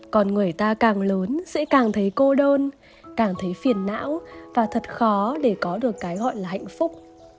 còn người ta càng lớn sẽ càng thấy cô đơn càng thấy phiền não và thật khó để có được cái gọi là hạnh phúc